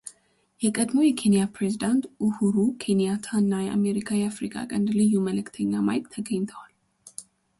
የቀድሞው የኬንያ ፕሬዝዳንት ኡሁሩ ኬንያታ እና የአሜሪካ የአፍሪካ ቀንድ ልዩ መልዕክተኛ ማይክ ተገኝተዋል።